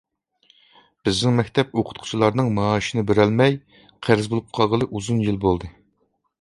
بىزنىڭ مەكتەپ ئوقۇتقۇچىلارنىڭ مائاشىنى بېرەلمەي، قەرز بولۇپ قالغىلى ئۇزۇن يىل بولدى.